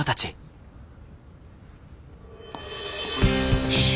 よし。